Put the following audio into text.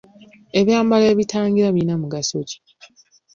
Ebyambalo ebitangira birina mugaso ki?